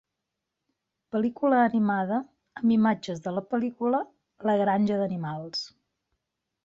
"Pel·lícula animada": amb imatges de la pel·lícula "La granja d'animals"